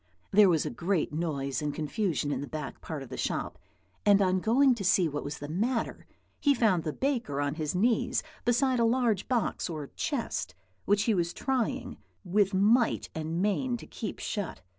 There was a great noise and confusion in the back part of the shop; and on going to see what was the matter, he found the baker on his knees beside a large box or chest, which he was trying with might and main to keep shut.